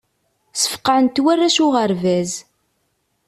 Sfeqɛen-t warrac uɣerbaz.